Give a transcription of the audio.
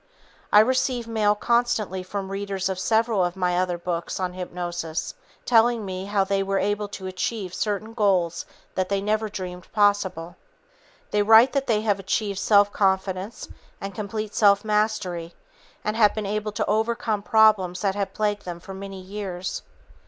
I receive mail constantly from readers of several of my other books on hypnosis telling me how they were able to achieve certain goals that they never dreamed possible. They write that they have achieved self confidence and complete self mastery and have been able to overcome problems that have plagued them for many years.